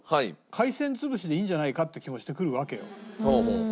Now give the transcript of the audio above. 海鮮潰しでいいんじゃないかって気もしてくるわけよ。